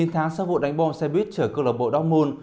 chín tháng sau vụ đánh bom xe buýt trở cơ lập bộ dortmund